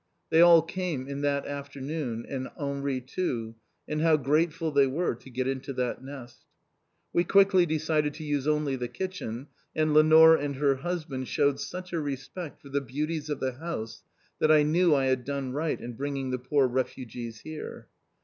They all came in that afternoon, and Henri too, and how grateful they were to get into that nest. We quickly decided to use only the kitchen, and Lenore and her husband shewed such a respect for the beauties of the house, that I knew I had done right in bringing the poor refugees here.